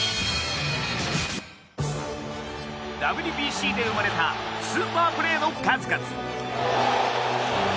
ＷＢＣで生まれたスーパープレーの数々。